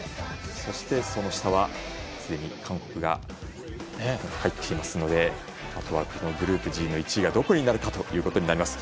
そして、その下ではすでに韓国が入っていますのであとはグループＧの１位がどこになるかになります。